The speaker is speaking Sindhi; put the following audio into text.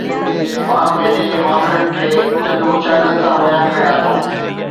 مان پنهنجي معاملي کي چند مشاهدن سان بيان ڪريان ٿو.